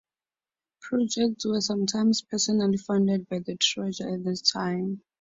Projects were sometimes personally funded by the Treasurer at this time.